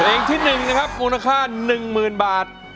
เพลงที่หนึ่งนะครับมูลค่าหนึ่งหมื่นบาท